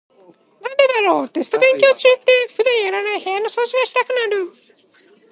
なんでだろう、テスト勉強中って普段やらない部屋の掃除がしたくなる。